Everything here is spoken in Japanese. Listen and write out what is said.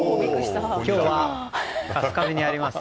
今日は、春日部にあります